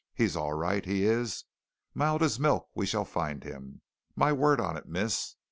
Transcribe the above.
"He's all right, he is. Mild as milk we shall find him my word on it, miss.